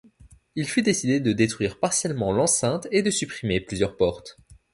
Il fut décidé de détruire partiellement l'enceinte et de supprimer plusieurs portes.